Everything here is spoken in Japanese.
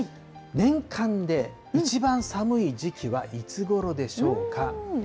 年間で一番寒い時期はいつごろでしょうか？